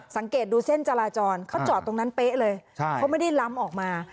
สังเกตดูเส้นจราจรเขาจอดตรงนั้นเป๊ะเลยเขาไม่ได้ล้ำออกมา